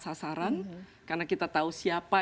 sasaran karena kita tahu siapa